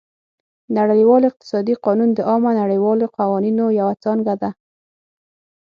نړیوال اقتصادي قانون د عامه نړیوالو قوانینو یوه څانګه ده